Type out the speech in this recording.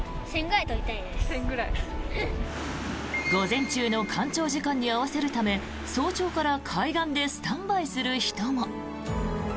午前中の干潮時間に合わせるため早朝から海岸でスタンバイする人も。